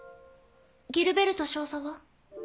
ギルベルト少佐は？